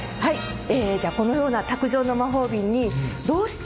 はい。